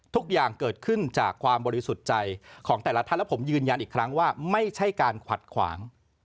ทุกอย่างเกิดขึ้นจากความบริสุทธิ์ใจของแต่ละท่านและผมยืนยันอีกครั้งว่าไม่ใช่การขัดขวาง